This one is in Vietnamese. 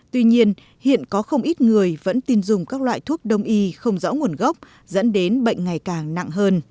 tuy nhiên hiện có không ít người vẫn tin dùng các loại thuốc đông y không rõ nguồn gốc dẫn đến bệnh ngày càng nặng hơn